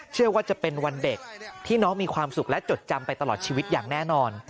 เชื่อว่าจะเป็นวันเด็กที่น้องมีความสุขและจดจำไปตลอดชีวิตอย่างแน่นอน